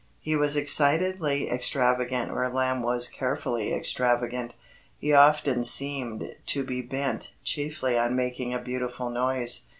He was excitedly extravagant where Lamb was carefully extravagant. He often seemed to be bent chiefly on making a beautiful noise.